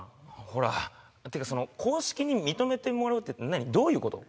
ほらていうかその公式に認めてもらうって何どういうこと？